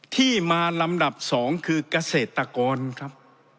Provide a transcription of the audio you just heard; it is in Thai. ที่มาลำดับ๒คือเกษตรกรครับ